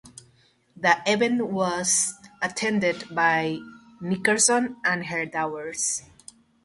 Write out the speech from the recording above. The event was attended by Nickerson and her daughters.